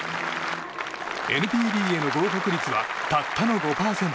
ＮＰＢへの合格率はたったの５％。